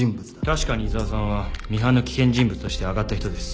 確かに井沢さんはミハンの危険人物として挙がった人です。